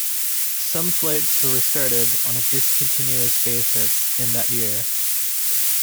Some flights were restarted on a discontinuous basis in that year.